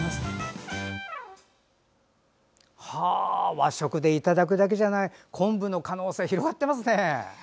和食でいただくだけじゃない昆布の可能性、広がってますね。